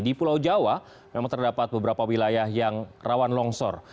di pulau jawa memang terdapat beberapa wilayah yang rawan longsor